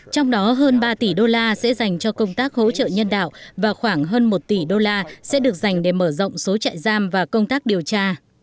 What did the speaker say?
trong đó hơn ba tỷ usd sẽ dành cho công tác hỗ trợ nhân đạo và khoảng hơn một tỷ usd sẽ được dành để mở rộng số trại giam và công tác điều tra